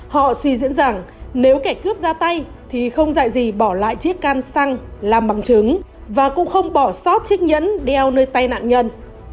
họ suy diễn rằng nếu kẻ cướp ra tay thì không dạy gì bỏ lại chiếc can xăng làm bằng chứng và cũng không bỏ sót chiếc nhẫn đeo nơi tay nạn nhân